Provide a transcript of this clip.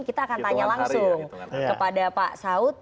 kita akan tanya langsung kepada pak saud